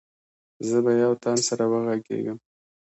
زه به يو تن سره وغږېږم.